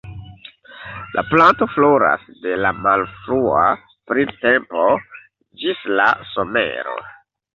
La planto floras de la malfrua printempo ĝis la somero.